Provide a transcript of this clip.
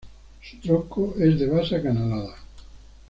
Su tronco es de base acanalada.